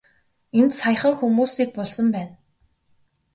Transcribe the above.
Энд саяхан хүмүүсийг булсан байна.